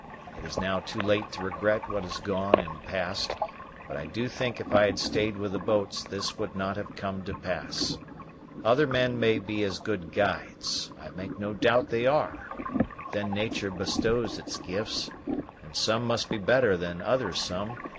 It is now too late to regret what is gone and passed; but I do think if I had stayed with the boats this would not have come to pass. Other men may be as good guides I make no doubt they are; but then natur' bestows its gifts, and some must be better than other some.